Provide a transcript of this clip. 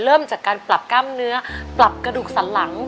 เริ่มจากการปรับกล้ามเนื้อปรับกระดูกสันหลัง